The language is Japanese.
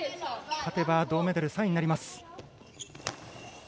勝てば銅メダル、３位になります。